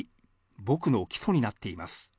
僕の基礎になっています。